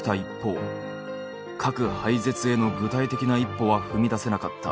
核廃絶への具体的な一歩は踏み出せなかった